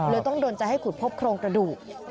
ต้องโดนใจให้ขุดพบโครงกระดูก